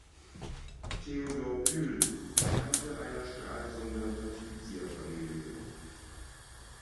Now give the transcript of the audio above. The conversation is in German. Theodor Pyl entstammte einer Stralsunder Patrizierfamilie.